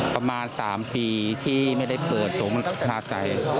ประมาณ๓ปีที่ไม่ได้เปิดสวงบนภาษัย